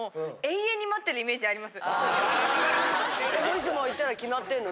いつも行ったら決まってんの？